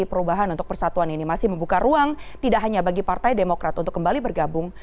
perubahan untuk persatuan ini masih membuka ruang tidak hanya bagi partai demokrat untuk kembali bergabung